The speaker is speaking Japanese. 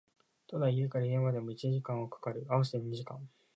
ただ、駅から家までも一時間は掛かる、合わせて二時間